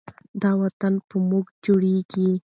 دا وطن په موږ جوړیږي.